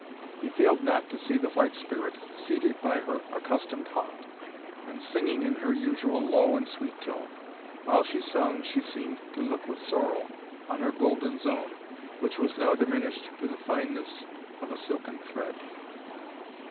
He failed not to see the White Spirit seated by her accustomed haunt, and singing in her usual low and sweet tone. While she sung, she seemed to look with sorrow on her golden zone, which was now diminished to the fineness of a silken thread.